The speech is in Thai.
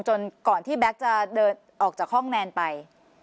ก่อนที่แบ็คจะเดินออกจากห้องแนนไป